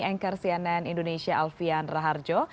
anchor cnn indonesia alfian raharjo